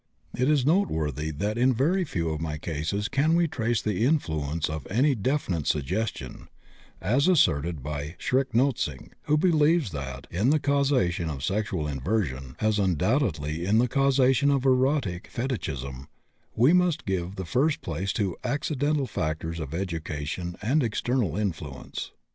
It is noteworthy that in very few of my cases can we trace the influence of any definite "suggestion," as asserted by Schrenck Notzing, who believes that, in the causation of sexual inversion (as undoubtedly in the causation of erotic fetichism), we must give the first place to "accidental factors of education and external influence."